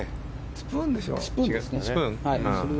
スプーンですよ。